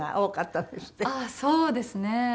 ああそうですね。